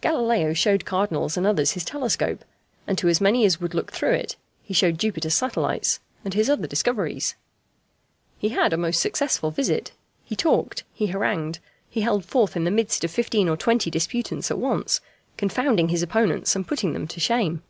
Galileo showed cardinals and others his telescope, and to as many as would look through it he showed Jupiter's satellites and his other discoveries. He had a most successful visit. He talked, he harangued, he held forth in the midst of fifteen or twenty disputants at once, confounding his opponents and putting them to shame.